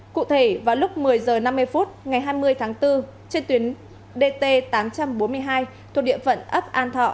cụ thể vào lúc một mươi h năm mươi phút ngày hai mươi tháng bốn trên tuyến dt tám trăm bốn mươi hai thuộc địa phận ấp an thọ